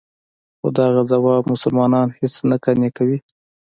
خو دغه ځواب مسلمانان هېڅ نه قانع کوي.